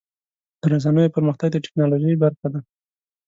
د رسنیو پرمختګ د ټکنالوژۍ برخه ده.